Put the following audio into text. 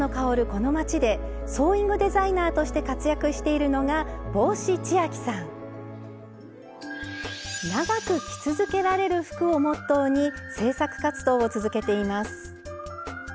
この町でソーイングデザイナーとして活躍しているのが帽子千秋さん。をモットーに製作活動を続けています。